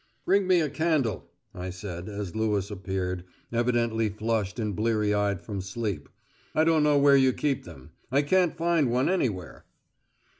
"Bring me a candle," I said, as Lewis appeared, evidently flushed and blear eyed from sleep. "I don't know where you keep them. I can't find one anywhere."